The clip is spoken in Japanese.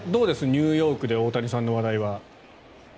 ニューヨークで大谷さんの話題は。